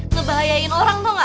ngebahayain orang tau gak